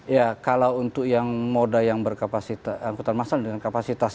ya kalau untuk yang modal yang berkapasitas